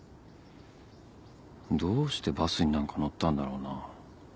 どうしてバスになんか乗ったんだろうな。